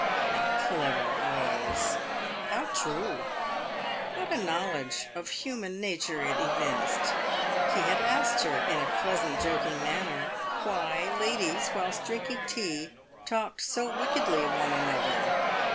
How clever it was !— how true ! What a knowledge of human nature it evinced ! He had asked her, in a pleasant joking manner, why ladies whilst drinking tea talked so wickedly of one another